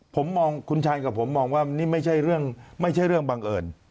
ผมมองคุณชัยกับผมมองว่านี่ไม่ใช่เรื่องไม่ใช่เรื่องบังเอิญ